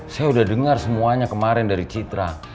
saya sudah dengar semuanya kemarin dari citra